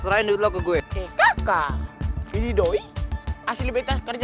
ambilnya seenak saja